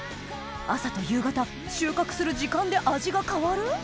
朝と夕方収穫する時間で味が変わる？